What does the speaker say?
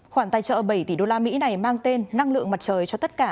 khoản tài trợ bảy tỷ đô la mỹ này mang tên năng lượng mặt trời cho tất cả